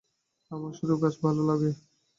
আমার শুধু গাছ ভালো লাগে।